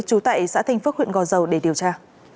trú tại xã thanh phước huyện gò dầu để điều tra